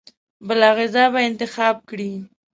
بله غذا به انتخاب کړي.